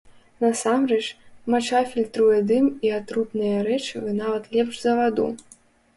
Насамрэч, мача фільтруе дым і атрутныя рэчывы нават лепш за ваду.